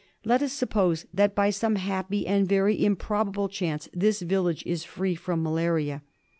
Let us suppose that by some happy and very improbable chance this village is free from malaria.